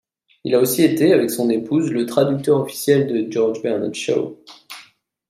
Il a aussi été, avec son épouse, le traducteur officiel de George Bernard Shaw.